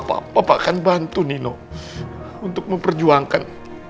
papa akan bantu nino untuk memperjuangkan